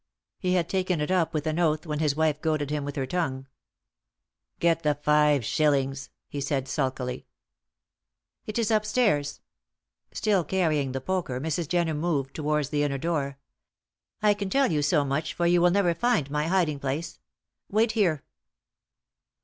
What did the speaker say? He had taken it up with an oath when his wife goaded him with her tongue. "Get the five, shillings," he said, sulkily. "It is upstairs." Still carrying the poker, Mrs. Jenner moved towards the inner door. "I can tell you so much, for you will never find my hiding place. Wait here."